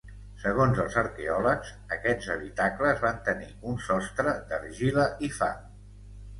Segons els arqueòlegs, aquests habitacles van tenir un sostre d’argila i fang.